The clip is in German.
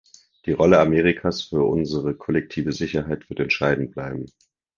Die Rolle Amerikas für unsere kollektive Sicherheit wird entscheidend bleiben.